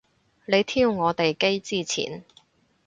你挑我哋機之前